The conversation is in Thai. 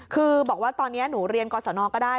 คือบอกว่าตอนนี้หนูเรียนกรสนก็ได้